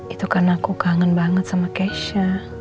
itu karena aku kangen banget sama keisha